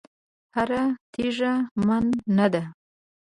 هره تېږه من نه ده.